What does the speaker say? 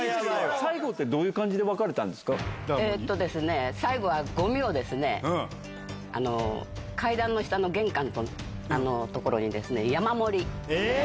最後ってどういう感じで別れえーっとですね、最後はごみを、階段の下の玄関の所に、山盛り。